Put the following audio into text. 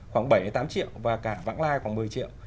khoảng bảy tám triệu và cả vãng lai khoảng một mươi triệu